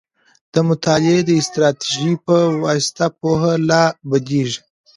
د مطالعې د استراتيژۍ په واسطه پوهه لا بدیږي.